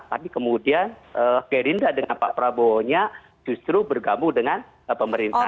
tapi kemudian gerinda dengan pak prabowonya justru bergabung dengan pemerintah